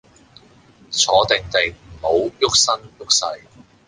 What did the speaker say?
坐定定，唔好郁身郁勢